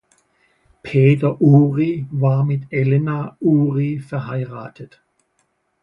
Peter Urie war mit Elena Urie verheiratet.